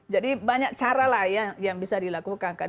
jadi banyak cara lah ya yang bisa dilakukan